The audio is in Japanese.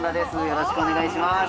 よろしくお願いします。